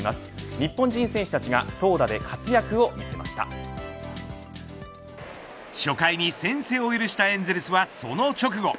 日本人選手たちが初回に先制を許したエンゼルスはその直後